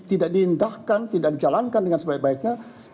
tidak diindahkan tidak dijalankan dengan sebaik baiknya